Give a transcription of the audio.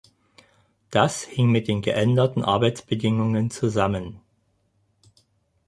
Das hing mit den geänderten Arbeitsbedingungen zusammen.